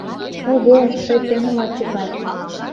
— Эге, тый чын улат чукай...